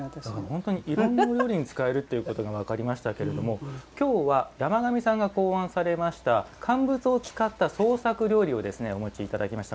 本当にいろんな料理に使えるということが分かりましたけれども今日は山上さんが考案されました乾物を使った創作料理をお持ちいただきました。